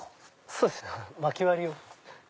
そうですねまき割りを。